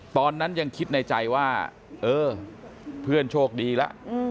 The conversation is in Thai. ตอนนั้นยังคิดในใจว่าเออเพื่อนโชคดีแล้ว